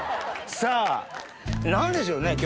さぁ何でしょうね？